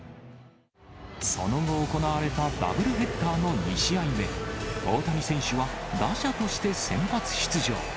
その後行われたダブルヘッダーの２試合目、大谷選手は打者として先発出場。